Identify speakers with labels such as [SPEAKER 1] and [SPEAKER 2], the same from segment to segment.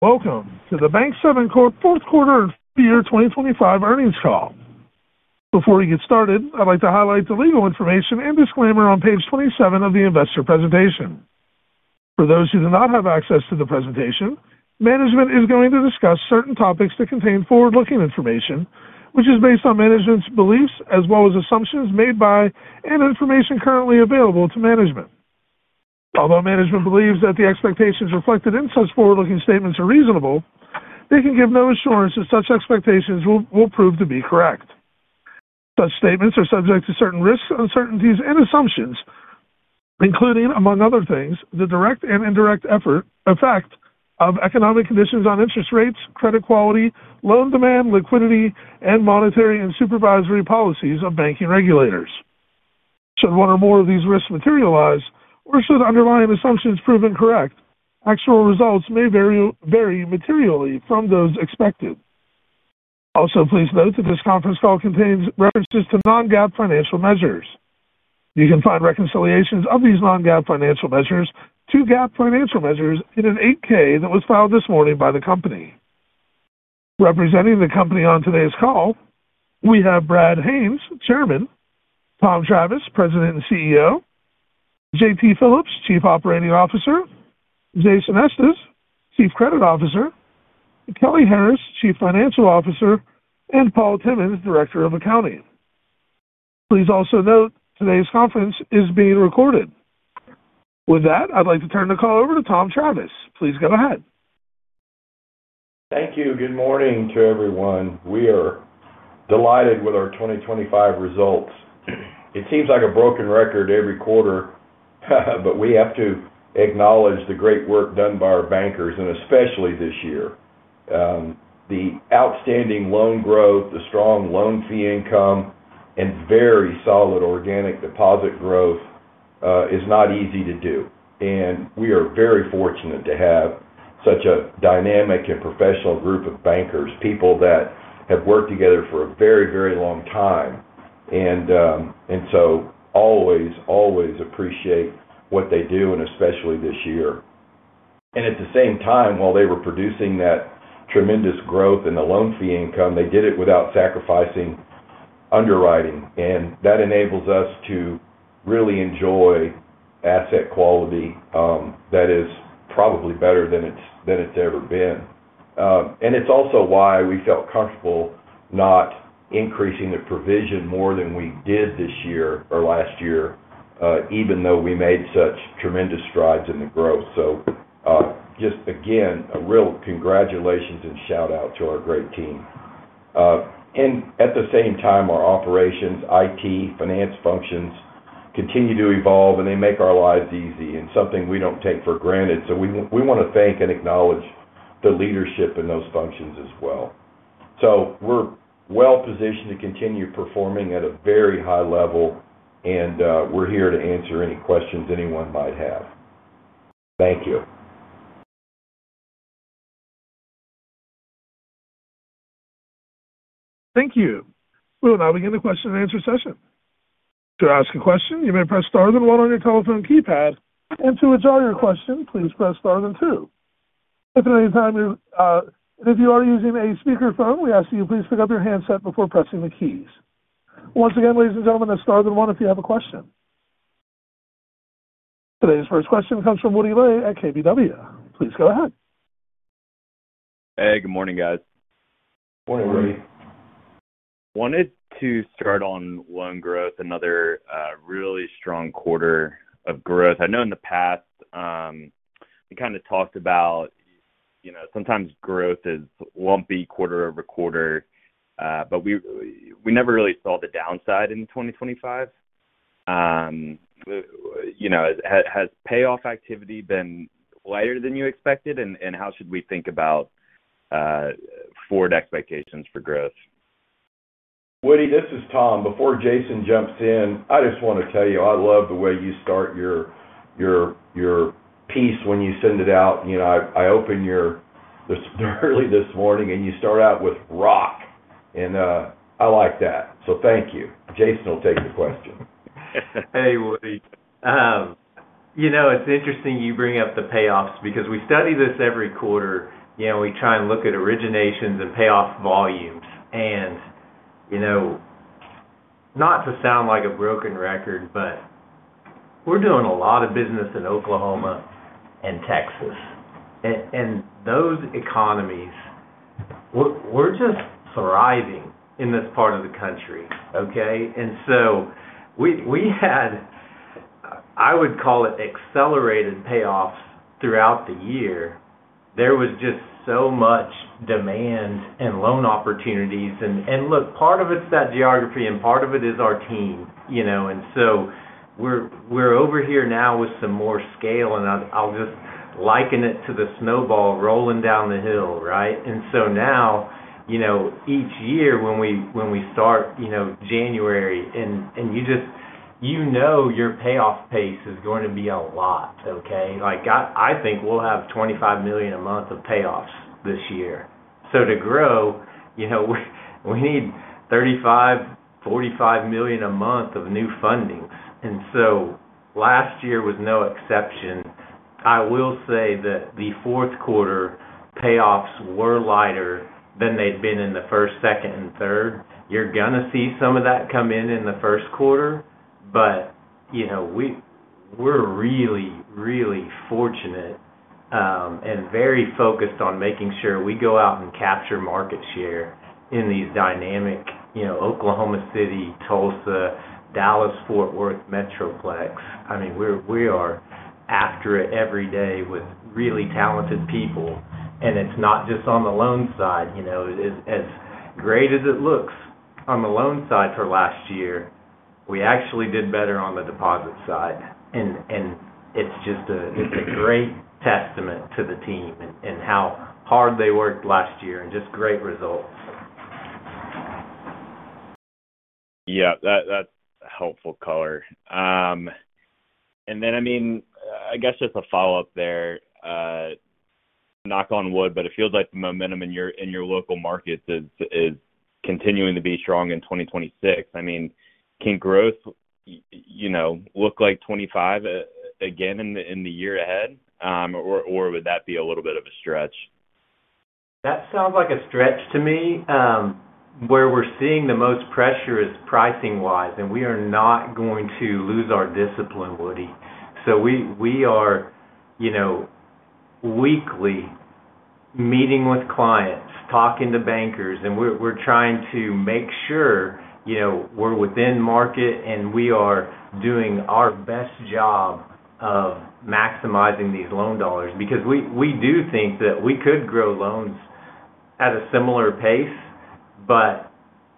[SPEAKER 1] Welcome to the Bank7 Corp. Fourth Quarter and Year 2025 Earnings Call. Before we get started, I'd like to highlight the legal information and disclaimer on page 27 of the investor presentation. For those who do not have access to the presentation, management is going to discuss certain topics that contain forward-looking information, which is based on management's beliefs as well as assumptions made by and information currently available to management. Although management believes that the expectations reflected in such forward-looking statements are reasonable, they can give no assurance that such expectations will prove to be correct. Such statements are subject to certain risks, uncertainties, and assumptions, including, among other things, the direct and indirect effect of economic conditions on interest rates, credit quality, loan demand, liquidity, and monetary and supervisory policies of banking regulators. Should one or more of these risks materialize, or should underlying assumptions prove incorrect, actual results may vary materially from those expected. Also, please note that this conference call contains references to non-GAAP financial measures. You can find reconciliations of these non-GAAP financial measures to GAAP financial measures in an 8-K that was filed this morning by the company. Representing the company on today's call, we have Brad Haines, Chairman, Tom Travis, President and CEO, J.T. Phillips, Chief Operating Officer, Jason Estes, Chief Credit Officer, Kelly Harris, Chief Financial Officer, and Paul Timmons, Director of Accounting. Please also note today's conference is being recorded. With that, I'd like to turn the call over to Tom Travis. Please go ahead.
[SPEAKER 2] Thank you. Good morning to everyone. We are delighted with our 2025 results. It seems like a broken record every quarter, but we have to acknowledge the great work done by our bankers, and especially this year. The outstanding loan growth, the strong loan fee income, and very solid organic deposit growth is not easy to do. And we are very fortunate to have such a dynamic and professional group of bankers, people that have worked together for a very, very long time. And so always, always appreciate what they do, and especially this year. And at the same time, while they were producing that tremendous growth in the loan fee income, they did it without sacrificing underwriting. And that enables us to really enjoy asset quality that is probably better than it's ever been. And it's also why we felt comfortable not increasing the provision more than we did this year or last year, even though we made such tremendous strides in the growth. So just, again, a real congratulations and shout-out to our great team. And at the same time, our operations, IT, finance functions continue to evolve, and they make our lives easy and something we don't take for granted. So we want to thank and acknowledge the leadership in those functions as well. So we're well-positioned to continue performing at a very high level, and we're here to answer any questions anyone might have. Thank you.
[SPEAKER 1] Thank you. We will now begin the question-and-answer session. To ask a question, you may press star then one on your telephone keypad. To withdraw your question, please press star then two. If at any time you are using a speakerphone, we ask that you please pick up your handset before pressing the keys. Once again, ladies and gentlemen, that's star then one if you have a question. Today's first question comes from Wood Lay at KBW. Please go ahead.
[SPEAKER 3] Hey, good morning, guys.
[SPEAKER 2] Morning, Woody.
[SPEAKER 3] Wanted to start on loan growth, another really strong quarter of growth. I know in the past we kind of talked about sometimes growth is lumpy quarter over quarter, but we never really saw the downside in 2025. Has payoff activity been lighter than you expected? And how should we think about forward expectations for growth?
[SPEAKER 2] Woody, this is Tom. Before Jason jumps in, I just want to tell you, I love the way you start your piece when you send it out. I opened yours early this morning, and you start out with rock. And I like that. So thank you. Jason will take the question.
[SPEAKER 4] Hey, Woody. It's interesting you bring up the payoffs because we study this every quarter. We try and look at originations and payoff volumes, and not to sound like a broken record, but we're doing a lot of business in Oklahoma and Texas, and those economies, we're just thriving in this part of the country, okay? And so we had, I would call it, accelerated payoffs throughout the year. There was just so much demand and loan opportunities, and look, part of it's that geography, and part of it is our team, and so we're over here now with some more scale, and I'll just liken it to the snowball rolling down the hill, right? And so now, each year when we start January, and you know your payoff pace is going to be a lot, okay? I think we'll have $25 million a month of payoffs this year. To grow, we need $35-$45 million a month of new fundings. Last year was no exception. I will say that the fourth quarter payoffs were lighter than they'd been in the first, second, and third. You're going to see some of that come in in the first quarter, but we're really, really fortunate and very focused on making sure we go out and capture market share in these dynamic Oklahoma City, Tulsa, Dallas, Fort Worth metroplex. I mean, we are after it every day with really talented people. It's not just on the loan side. As great as it looks on the loan side for last year, we actually did better on the deposit side. It's a great testament to the team and how hard they worked last year and just great results.
[SPEAKER 3] Yeah, that's a helpful color. And then, I mean, I guess just a follow-up there, knock on wood, but it feels like the momentum in your local markets is continuing to be strong in 2026. I mean, can growth look like 25 again in the year ahead, or would that be a little bit of a stretch?
[SPEAKER 4] That sounds like a stretch to me. Where we're seeing the most pressure is pricing-wise, and we are not going to lose our discipline, Woody, so we are weekly meeting with clients, talking to bankers, and we're trying to make sure we're within market, and we are doing our best job of maximizing these loan dollars because we do think that we could grow loans at a similar pace, but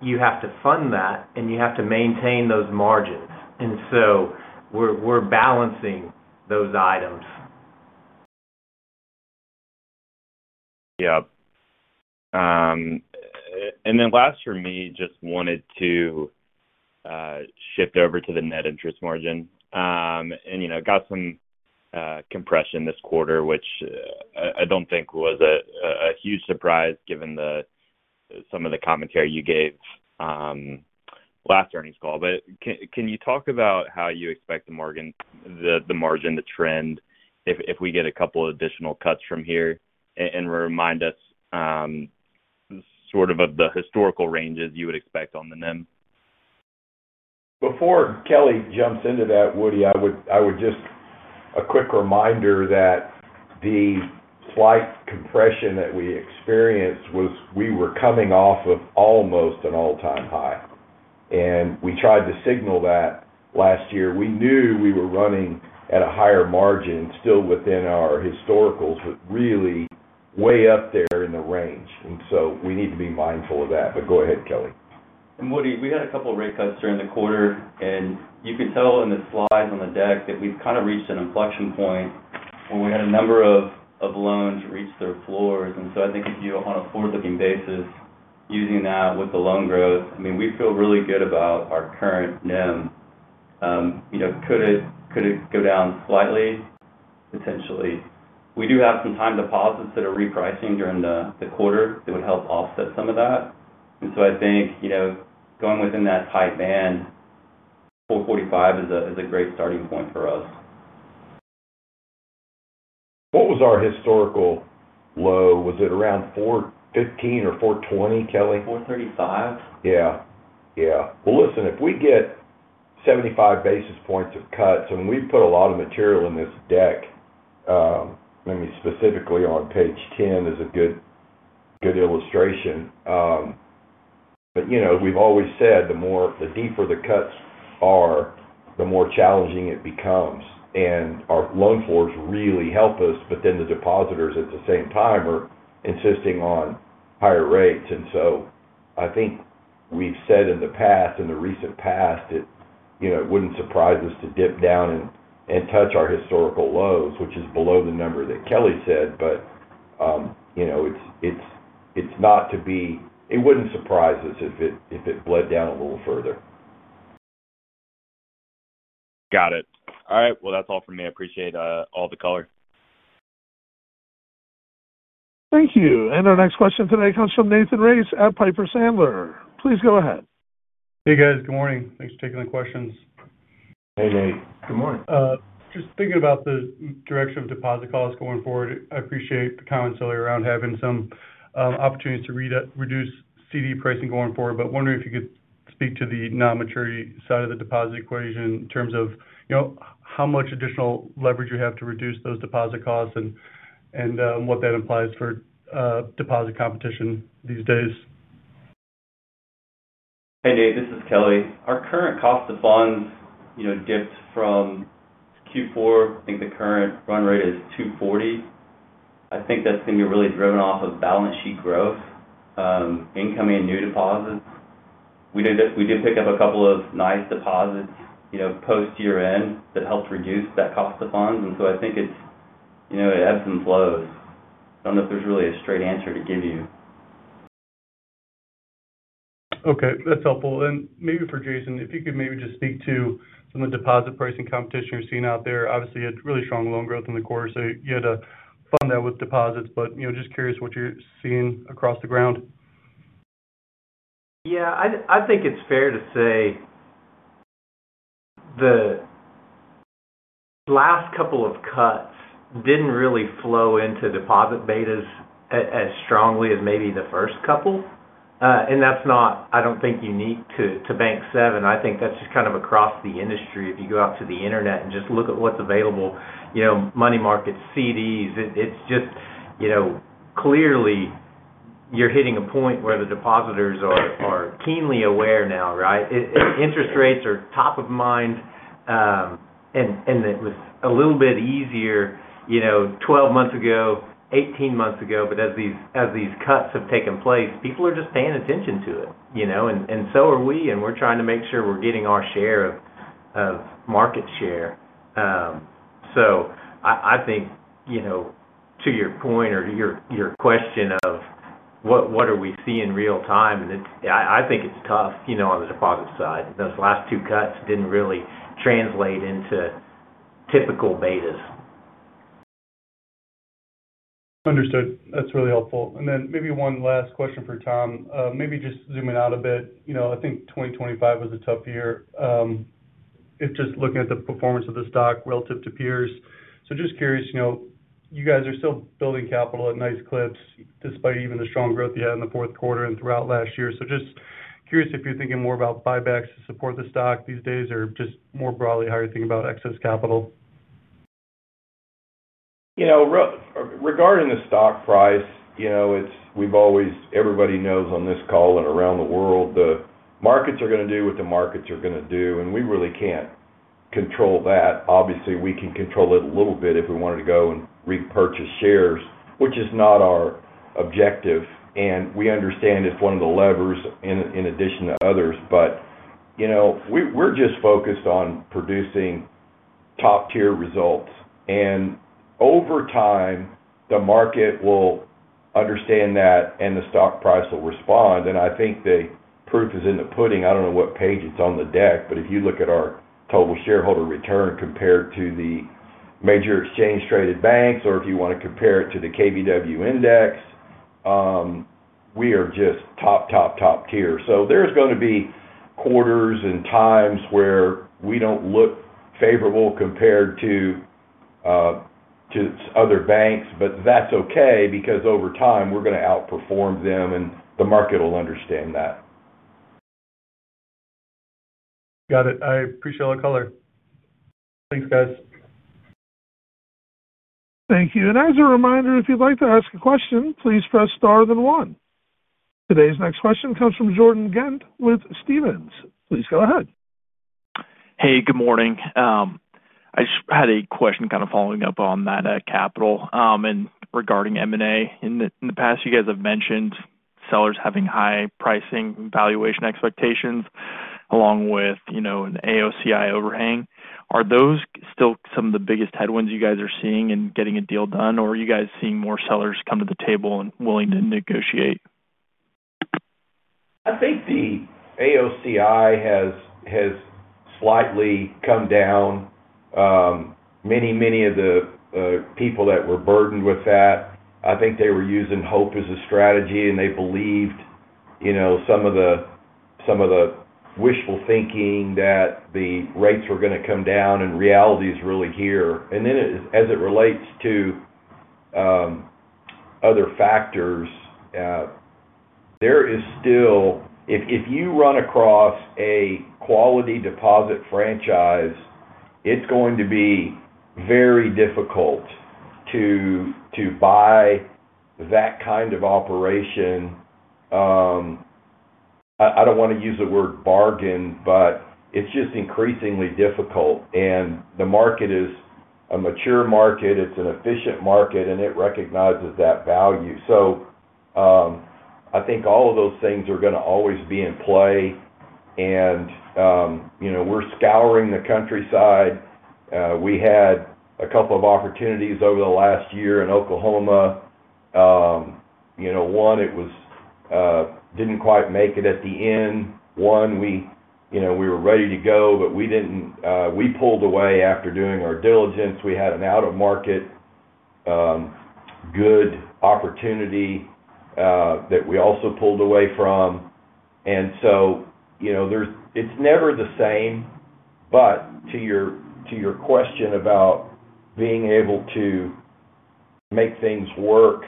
[SPEAKER 4] you have to fund that, and you have to maintain those margins, and so we're balancing those items.
[SPEAKER 3] Yep, and then last year, we just wanted to shift over to the net interest margin, and got some compression this quarter, which I don't think was a huge surprise given some of the commentary you gave last earnings call, but can you talk about how you expect the margin, the trend, if we get a couple of additional cuts from here, and remind us sort of of the historical ranges you would expect on the NIM?
[SPEAKER 2] Before Kelly jumps into that, Woody, I would just, a quick reminder that the slight compression that we experienced was we were coming off of almost an all-time high, and we tried to signal that last year. We knew we were running at a higher margin, still within our historicals, but really way up there in the range, and so we need to be mindful of that, but go ahead, Kelly.
[SPEAKER 5] And Woody, we had a couple of rate cuts during the quarter, and you could tell in the slides on the deck that we've kind of reached an inflection point where we had a number of loans reach their floors. And so I think if you, on a forward-looking basis, using that with the loan growth, I mean, we feel really good about our current NIM. Could it go down slightly? Potentially. We do have some time deposits that are repricing during the quarter that would help offset some of that. And so I think going within that tight band, 4.45% is a great starting point for us.
[SPEAKER 2] What was our historical low? Was it around 4.15% or 4.20%, Kelly?
[SPEAKER 5] 4.35%.
[SPEAKER 2] Yeah. Yeah. Listen, if we get 75 basis points of cuts, and we've put a lot of material in this deck, I mean, specifically on page 10 is a good illustration. But we've always said the deeper the cuts are, the more challenging it becomes. And our loan floors really help us, but then the depositors at the same time are insisting on higher rates. And so I think we've said in the past, in the recent past, it wouldn't surprise us to dip down and touch our historical lows, which is below the number that Kelly said. But it wouldn't surprise us if it bled down a little further.
[SPEAKER 3] Got it. All right. Well, that's all from me. I appreciate all the color.
[SPEAKER 1] Thank you. And our next question today comes from Nathan Race at Piper Sandler. Please go ahead.
[SPEAKER 6] Hey, guys. Good morning. Thanks for taking the questions.
[SPEAKER 2] Hey, Nate. Good morning.
[SPEAKER 6] Just thinking about the direction of deposit costs going forward, I appreciate the commentary around having some opportunities to reduce CD pricing going forward, but wondering if you could speak to the non-maturity side of the deposit equation in terms of how much additional leverage you have to reduce those deposit costs and what that implies for deposit competition these days?
[SPEAKER 5] Hey, Nate. This is Kelly. Our current cost of funds dipped from Q4. I think the current run rate is 2.40%. I think that's going to be really driven off of balance sheet growth, incoming new deposits. We did pick up a couple of nice deposits post-year-end that helped reduce that cost of funds. And so I think it ebbs and flows. I don't know if there's really a straight answer to give you.
[SPEAKER 6] Okay. That's helpful. And maybe for Jason, if you could maybe just speak to some of the deposit pricing competition you're seeing out there. Obviously, you had really strong loan growth in the quarter, so you had to fund that with deposits, but just curious what you're seeing across the ground?
[SPEAKER 5] Yeah. I think it's fair to say the last couple of cuts didn't really flow into deposit betas as strongly as maybe the first couple, and that's not, I don't think, unique to Bank7. I think that's just kind of across the industry. If you go out to the internet and just look at what's available, money market, CDs, it's just clearly you're hitting a point where the depositors are keenly aware now, right? Interest rates are top of mind, and it was a little bit easier 12 months ago, 18 months ago, but as these cuts have taken place, people are just paying attention to it, and so are we, and we're trying to make sure we're getting our share of market share, so I think to your point or your question of what are we seeing real-time, I think it's tough on the deposit side. Those last two cuts didn't really translate into typical betas.
[SPEAKER 6] Understood. That's really helpful. And then, maybe one last question for Tom, maybe just zooming out a bit. I think 2025 was a tough year. Just looking at the performance of the stock relative to peers. So, just curious, you guys are still building capital at nice clips despite even the strong growth you had in the fourth quarter and throughout last year. So, just curious if you're thinking more about buybacks to support the stock these days or just more broadly how you're thinking about excess capital.
[SPEAKER 2] Regarding the stock price, we've always, everybody knows on this call and around the world, the markets are going to do what the markets are going to do, and we really can't control that. Obviously, we can control it a little bit if we wanted to go and repurchase shares, which is not our objective, and we understand it's one of the levers in addition to others, but we're just focused on producing top-tier results, and over time, the market will understand that, and the stock price will respond, and I think the proof is in the pudding. I don't know what page it's on the deck, but if you look at our total shareholder return compared to the major exchange-traded banks, or if you want to compare it to the KBW Index, we are just top, top, top tier. So there's going to be quarters and times where we don't look favorable compared to other banks, but that's okay because over time, we're going to outperform them, and the market will understand that.
[SPEAKER 6] Got it. I appreciate all the color. Thanks, guys.
[SPEAKER 1] Thank you. And as a reminder, if you'd like to ask a question, please press star then one. Today's next question comes from Jordan Ghent with Stephens. Please go ahead.
[SPEAKER 7] Hey, good morning. I just had a question kind of following up on that capital and regarding M&A. In the past, you guys have mentioned sellers having high pricing valuation expectations along with an AOCI overhang. Are those still some of the biggest headwinds you guys are seeing in getting a deal done, or are you guys seeing more sellers come to the table and willing to negotiate?
[SPEAKER 2] I think the AOCI has slightly come down. Many, many of the people that were burdened with that, I think they were using hope as a strategy, and they believed some of the wishful thinking that the rates were going to come down, and reality is really here, and then as it relates to other factors, there is still—if you run across a quality deposit franchise, it's going to be very difficult to buy that kind of operation. I don't want to use the word bargain, but it's just increasingly difficult, and the market is a mature market. It's an efficient market, and it recognizes that value, so I think all of those things are going to always be in play, and we're scouring the countryside. We had a couple of opportunities over the last year in Oklahoma. One, it didn't quite make it at the end. One, we were ready to go, but we pulled away after doing our diligence. We had an out-of-market good opportunity that we also pulled away from, and so it's never the same, but to your question about being able to make things work,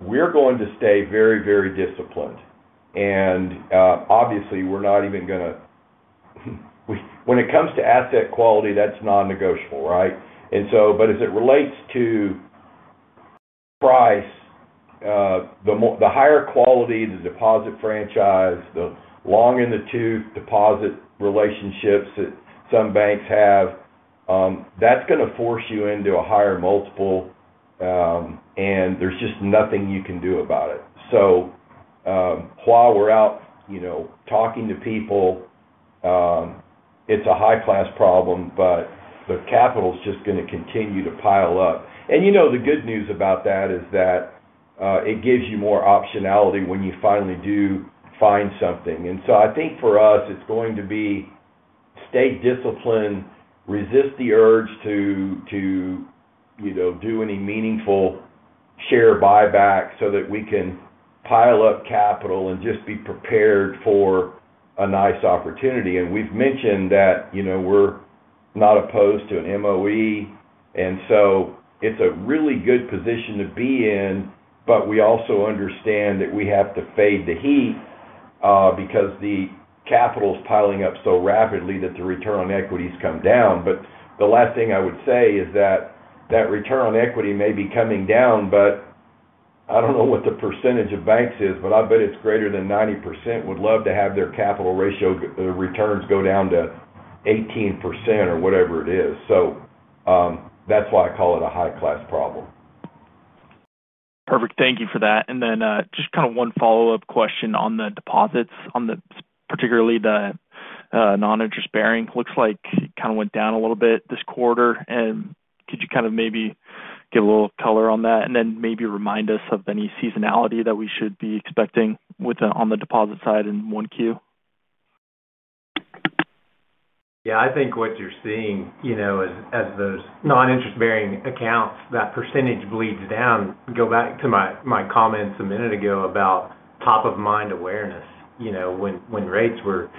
[SPEAKER 2] we're going to stay very, very disciplined, and obviously, we're not even going to, when it comes to asset quality, that's non-negotiable, right, but as it relates to price, the higher quality of the deposit franchise, the long in the tooth deposit relationships that some banks have, that's going to force you into a higher multiple, and there's just nothing you can do about it, so while we're out talking to people, it's a high-class problem, but the capital is just going to continue to pile up, and the good news about that is that it gives you more optionality when you finally do find something. And so I think for us, it's going to be stay disciplined, resist the urge to do any meaningful share buyback so that we can pile up capital and just be prepared for a nice opportunity. And we've mentioned that we're not opposed to an MOE. And so it's a really good position to be in, but we also understand that we have to fade the heat because the capital is piling up so rapidly that the return on equity comes down. But the last thing I would say is that that return on equity may be coming down, but I don't know what the percentage of banks is, but I bet it's greater than 90%. Would love to have their capital ratio returns go down to 18% or whatever it is. So that's why I call it a high-class problem.
[SPEAKER 7] Perfect. Thank you for that. And then just kind of one follow-up question on the deposits, particularly the non-interest-bearing. Looks like it kind of went down a little bit this quarter. And could you kind of maybe give a little color on that, and then maybe remind us of any seasonality that we should be expecting on the deposit side in 1Q?
[SPEAKER 5] Yeah. I think what you're seeing as those non-interest bearing accounts, that percentage bleeds down. Go back to my comments a minute ago about top-of-mind awareness. When rates were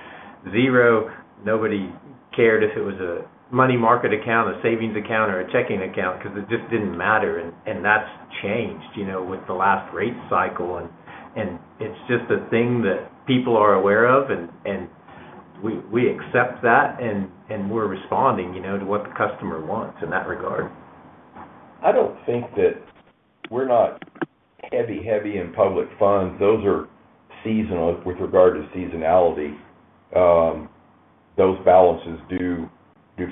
[SPEAKER 5] zero, nobody cared if it was a money market account, a savings account, or a checking account because it just didn't matter. And that's changed with the last rate cycle. And it's just a thing that people are aware of, and we accept that, and we're responding to what the customer wants in that regard.
[SPEAKER 2] I don't think that we're not heavy, heavy in public funds. Those are seasonal with regard to seasonality. Those balances do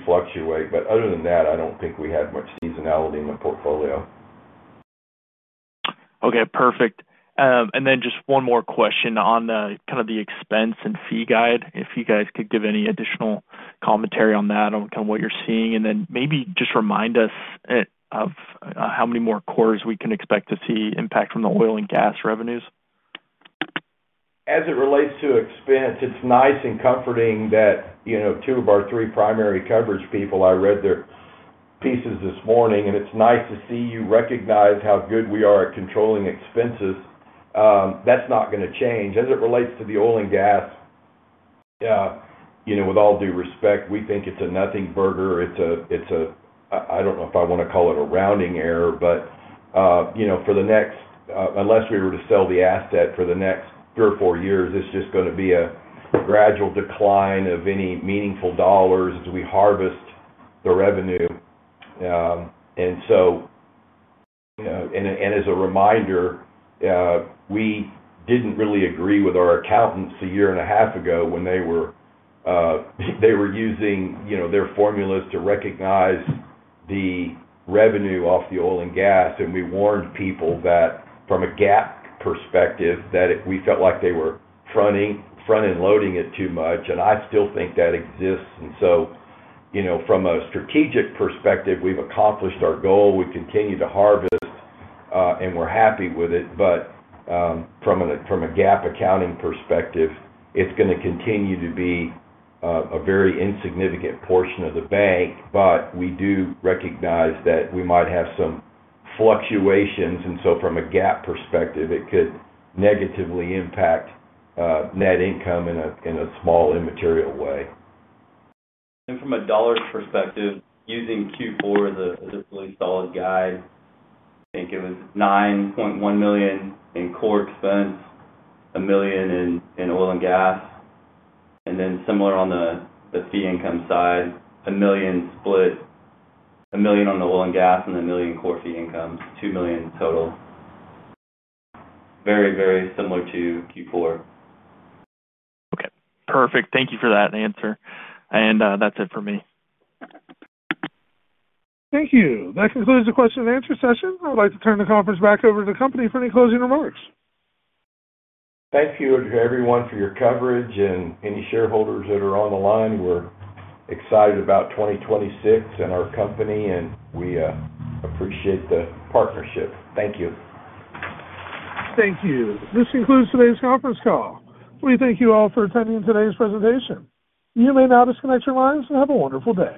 [SPEAKER 2] fluctuate, but other than that, I don't think we had much seasonality in the portfolio.
[SPEAKER 7] Okay. Perfect, and then just one more question on kind of the expense and fee guide. If you guys could give any additional commentary on that on kind of what you're seeing, and then maybe just remind us of how many more quarters we can expect to see impact from the oil and gas revenues.
[SPEAKER 2] As it relates to expense, it's nice and comforting that two of our three primary coverage people, I read their pieces this morning, and it's nice to see you recognize how good we are at controlling expenses. That's not going to change. As it relates to the oil and gas, with all due respect, we think it's a nothing burger. It's a, I don't know if I want to call it a rounding error, but for the next, unless we were to sell the asset for the next three or four years, it's just going to be a gradual decline of any meaningful dollars as we harvest the revenue, and so, and as a reminder, we didn't really agree with our accountants a year and a half ago when they were using their formulas to recognize the revenue off the oil and gas. And we warned people that from a GAAP perspective, that we felt like they were front-loading it too much. And I still think that exists. And so from a strategic perspective, we've accomplished our goal. We continue to harvest, and we're happy with it. But from a GAAP accounting perspective, it's going to continue to be a very insignificant portion of the bank. But we do recognize that we might have some fluctuations. And so from a GAAP perspective, it could negatively impact net income in a small immaterial way.
[SPEAKER 5] From a dollars perspective, using Q4 as a really solid guide, I think it was $9.1 million in core expense, $1 million in oil and gas. Then similar on the fee income side, $1 million split, $1 million on the oil and gas, and $1 million core fee income, $2 million total. Very, very similar to Q4.
[SPEAKER 7] Okay. Perfect. Thank you for that answer, and that's it for me.
[SPEAKER 1] Thank you. That concludes the question and answer session. I'd like to turn the conference back over to the company for any closing remarks.
[SPEAKER 2] Thank you to everyone for your coverage. And any shareholders that are on the line, we're excited about 2026 and our company, and we appreciate the partnership. Thank you.
[SPEAKER 1] Thank you. This concludes today's conference call. We thank you all for attending today's presentation. You may now disconnect your lines and have a wonderful day.